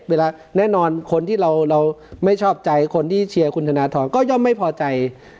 แน่นอนคนที่เราไม่ชอบใจคนที่เชียร์คุณธนทรก็ย่อมไม่พอใจ